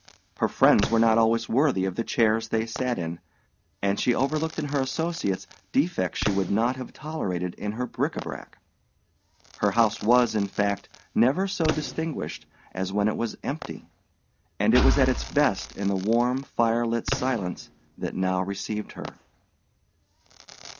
Her friends were not always worthy of the chairs they sat in, and she overlooked in her associates defects she would not have tolerated in her bric a brac. Her house was, in fact, never so distinguished as when it was empty; and it was at its best in the warm fire lit silence that now received her.